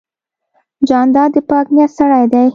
جانداد د پاک نیت سړی دی.